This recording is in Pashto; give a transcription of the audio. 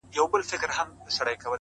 دا عجیب منظرکسي ده ـ وېره نه لري امامه ـ